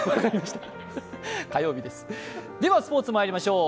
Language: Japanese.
ではスポーツ、まいりましょう。